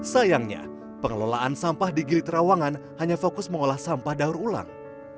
sayangnya pengelolaan sampah di gili terawangan hanya fokus mengolah sampah daur ulang